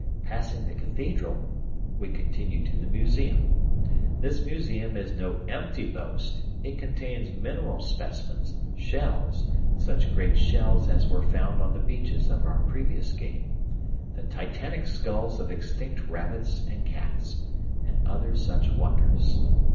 Passing the cathedral, we continue to the museum. This museum is no empty boast; it contains mineral specimens, shells such great shells as were found on the beaches of our previous game the Titanic skulls of extinct rabbits and cats, and other such wonders.